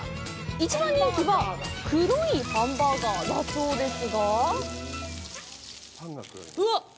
一番人気は黒いハンバーガーだそうですがうわっ。